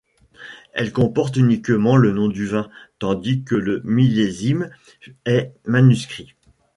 Elle comportent uniquement le nom du vin, tandis que le millésime est manuscrit.